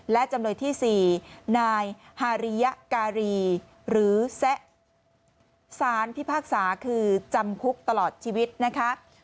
และจำเลยที่๔นายฮาริยการีหรือแซะสารพิพากษาคือจำคุกตลอดชีวิตนะคะ